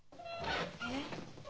えっ？